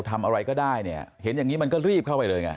ทำอะไรก็ได้เนี่ยเห็นอย่างนี้มันก็รีบเข้าไปเลยไง